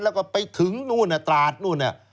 แล้วก็ไปถึงนู่นตราดนู่นน่ะ